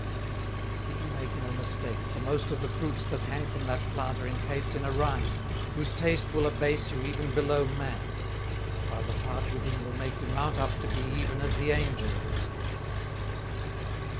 But see you make no mistake, for most of the Fruits that hang from that Plant are encased in a Rind, whose taste will abase you even below man; while the part within will make you mount up to be even as the Angels."